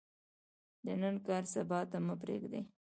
د نن کار سبا ته مه پریږدئ